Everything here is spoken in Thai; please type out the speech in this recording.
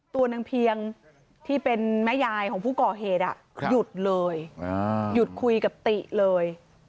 ตัวนางเพียงที่เป็นแม่ยายของผู้ก่อเหตุหยุดเลยหยุดคุยกับติเลย